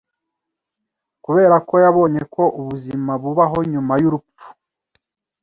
Kuberako yabonye ko ubuzima bubaho nyuma yurupfu